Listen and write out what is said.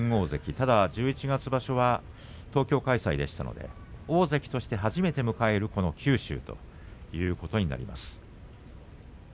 ただ十一月場所は東京開催でしたので大関として初めて迎える九州ということになります。